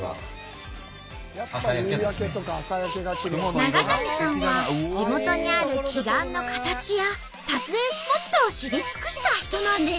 長谷さんは地元にある奇岩の形や撮影スポットを知り尽くした人なんです。